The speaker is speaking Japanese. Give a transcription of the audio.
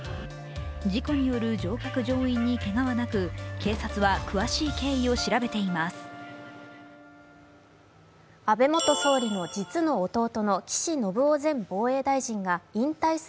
事故による乗客乗員にけがはなく警察は詳しい経緯を調べています。